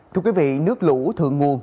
thưa quý vị nước lũ thường nguồn